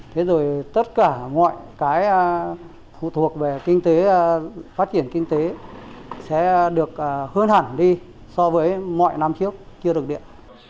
thế rồi tất cả mọi cái thuộc về kinh tế phát triển kinh tế sẽ được hơn hẳn đi so với mọi năm trước chưa được điện